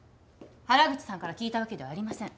原口さんから聞いたわけではありません。